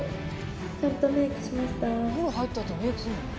お風呂入ったあとメイクするの？